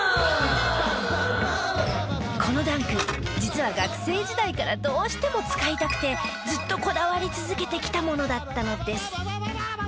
このダンク実は学生時代からどうしても使いたくてずっとこだわり続けてきたものだったのです。